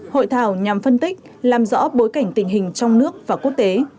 hội thảo nhằm phân tích làm rõ bối cảnh tình hình trong nước và quốc tế